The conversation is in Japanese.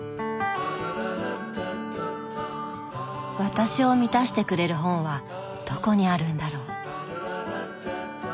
私を満たしてくれる本はどこにあるんだろう。